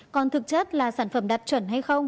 còn thực chất là sản phẩm đạt chuẩn hay không